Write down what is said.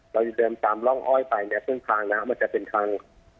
เราจะเดินตามร่องอ้อยไปเนี่ยซึ่งทางนะมันจะเป็นทาง